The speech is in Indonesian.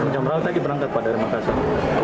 jamrah tadi berangkat pada makassar